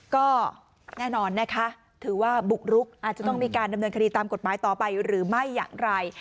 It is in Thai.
ก็แน่นอนนะคะถือว่าบุกรุกอาจจะต้องมีการดำเนินคดีตามกฎหมายต่อไปหรือไม่อย่างไร